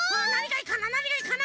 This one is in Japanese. なにがいいかな？